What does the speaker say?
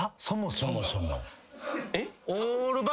そもそも。